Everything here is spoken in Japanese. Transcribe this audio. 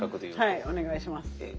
はいお願いします。